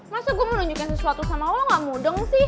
masa gue mau nunjukkan sesuatu sama lo gak mudeng sih